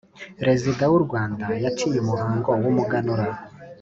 Rezida w'u Rwanda yaciye umuhango w'umuganura